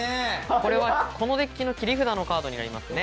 これはこのデッキの切り札のカードになりますね。